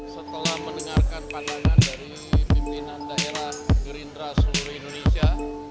setelah mendengarkan pandangan dari pimpinan daerah gerindra seluruh indonesia